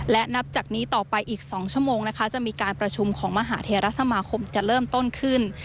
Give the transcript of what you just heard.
และนับจากนี้ต่อไปอีก๒ชั่วโมงนะคะจะมีการประชุมของมหาเทรสมาคมจะเริ่มต้นขึ้น